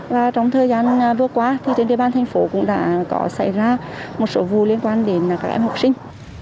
và trong thời gian vừa qua thì trên địa bàn thành phố cũng đã có xảy ra một số vụ liên quan đến các em học sinh